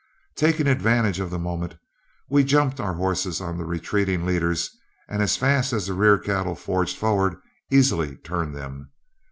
Taking advantage of the moment, we jumped our horses on the retreating leaders, and as fast as the rear cattle forged forward, easily turned them.